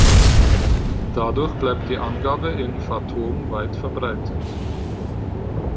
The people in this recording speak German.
Dadurch bleibt die Angabe in "fathom" weit verbreitet.